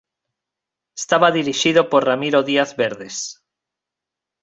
Estaba dirixido por Ramiro Díaz Verdes.